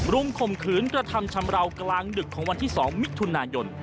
มข่มขืนกระทำชำราวกลางดึกของวันที่๒มิถุนายน